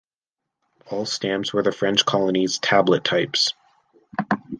All stamps were the French Colonies "Tablet" types.